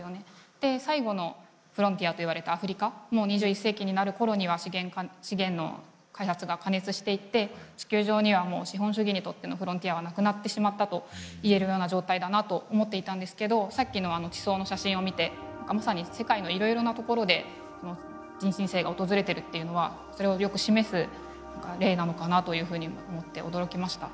で最後のフロンティアといわれたアフリカも２１世紀になる頃には資源の開発が過熱していって地球上にはもう資本主義にとってのフロンティアはなくなってしまったと言えるような状態だなと思っていたんですけどさっきの地層の写真を見てまさに世界のいろいろなところで人新世が訪れてるっていうのはそれをよく示す例なのかなというふうに思って驚きました。